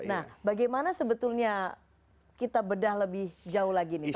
nah bagaimana sebetulnya kita bedah lebih jauh lagi nih